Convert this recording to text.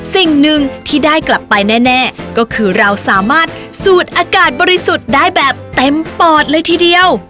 สิ่งหนึ่งที่ได้กลับไปแน่ก็คือเราสามารถสูดอากาศบริสุทธิ์ได้แบบเต็มปอดเลยทีเดียว